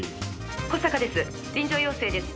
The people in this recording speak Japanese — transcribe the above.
「小坂です。